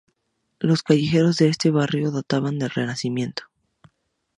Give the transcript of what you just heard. Los callejones de este barrio datan del Renacimiento.